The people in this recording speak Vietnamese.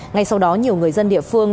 ngay sau đó nhiều người dân địa phương